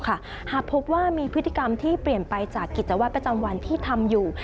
หากพบว่ามีพฤติกรรมที่เปลี่ยนไปจากกิจวัตรประจำวันที่ทำอยู่